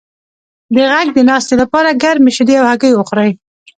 د غږ د ناستې لپاره ګرمې شیدې او هګۍ وخورئ